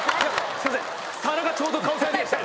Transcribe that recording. すいません皿がちょうど顔サイズでした。